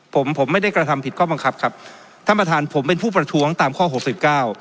ผมผมไม่ได้กระทำผิดข้อบังคับครับท่านประธานผมเป็นผู้ประท้วงตามข้อหกสิบเก้า